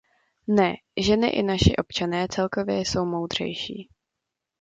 Ne, ženy i naši občané celkově jsou moudřejší.